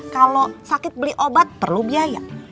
kalau sakit beli obat perlu biaya